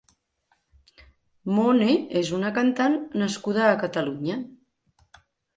Mone és una cantant nascuda a Catalunya.